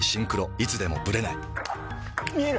いつでもブレない見える！